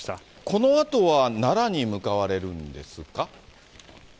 このあとは奈良に向かわれるんですか？